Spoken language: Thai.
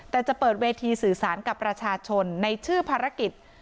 แต่จะเปิดเวทีสื่อสารกับประชาชนในชื่อภารกิจ